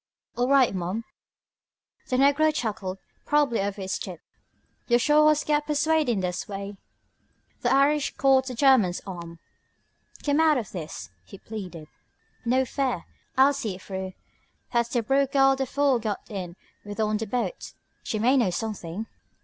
"All right, ma'am." The negro chuckled, probably over his tip. "Yo' sho' has got the p'suadin'est way...." The Irishman caught the German's arm. "Come out of this," he pleaded. "No fear. I'll see it through. That's the Brooke girl the fool got in with on the boat. She may know something...."